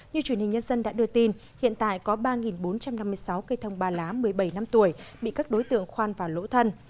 như truyền hình nhân dân đã đưa tin hiện tại có ba bốn trăm năm mươi sáu cây thông ba lá một mươi bảy năm tuổi bị các đối tượng khoan vào lỗ thân